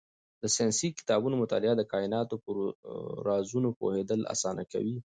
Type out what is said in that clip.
د ساینسي کتابونو مطالعه د کایناتو په رازونو پوهېدل اسانه کوي.